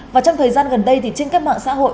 và trong thời gian gần đây thì trên các mạng xã hội